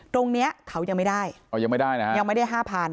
ตรงนี้เขายังไม่ได้ยังไม่ได้๕๐๐๐